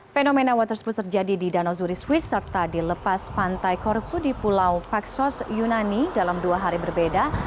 fenomena water spruce terjadi di danau zurich swiss serta di lepas pantai corfu di pulau paxos yunani dalam dua hari berbeda